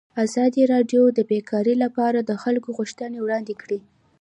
ازادي راډیو د بیکاري لپاره د خلکو غوښتنې وړاندې کړي.